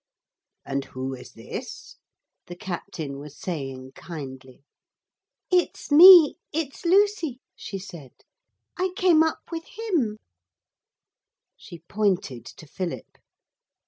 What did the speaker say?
'And who is this?' the captain was saying kindly. 'It's me it's Lucy,' she said. 'I came up with him.' She pointed to Philip.